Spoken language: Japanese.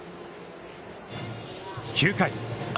９回。